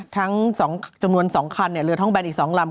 ทั้งจำนวน๒คันเนี่ยเหลือท่องแบนอีก๒ลำ